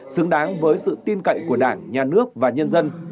xứng đáng với sự tin cậy của đảng nhà nước và nhân dân